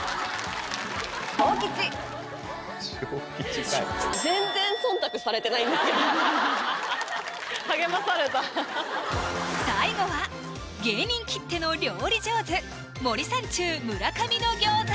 小吉かい励まされた最後は芸人きっての料理上手「森三中」・村上の餃子